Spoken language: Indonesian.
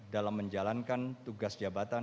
dalam menjalankan tugas jabatan